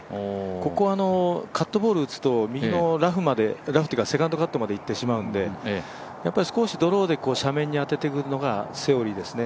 ここはカットボール打つと右のラフというかセカンドカットまでいってしまうんで少しドローで斜面に当ててくるのがセオリーですね。